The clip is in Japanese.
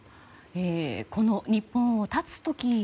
この日本を発つ時